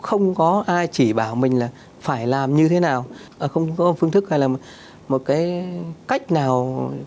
không có ai chỉ bảo mình là phải làm như thế nào không có phương thức hay là một cái cách nào